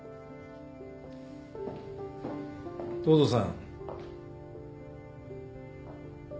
東堂さん。